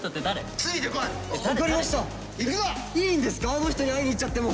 あの人に会いに行っちゃっても。